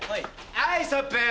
はいストップ。